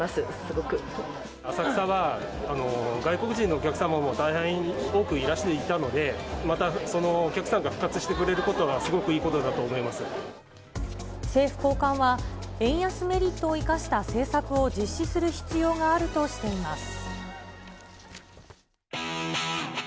浅草は外国人のお客様も大変多くいらしていたので、またそのお客さんが復活してくれることが、すごくいいことだと思政府高官は、円安メリットを生かした政策を実施する必要があるとしています。